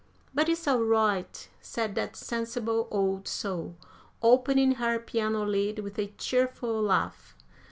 "But it's all right," said that sensible old soul, opening her piano lid with a cheerful laugh.